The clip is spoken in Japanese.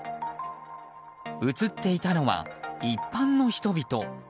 映っていたのは一般の人々。